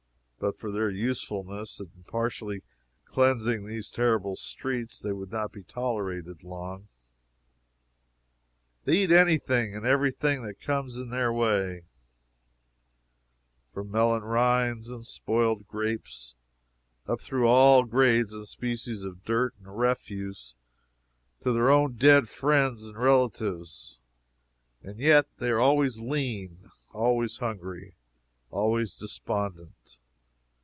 But for their usefulness in partially cleansing these terrible streets, they would not be tolerated long. They eat any thing and every thing that comes in their way, from melon rinds and spoiled grapes up through all the grades and species of dirt and refuse to their own dead friends and relatives and yet they are always lean, always hungry, always despondent.